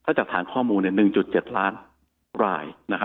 ถ้าจากฐานข้อมูลเนี่ย๑๗ล้านไหล